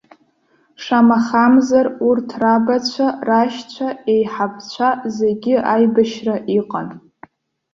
Шамахамзар урҭ рабацәа, рашьцәа еиҳабацәа зегьы аибашьра иҟан.